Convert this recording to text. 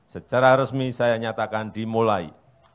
secara resmi saya nyatakan dimulai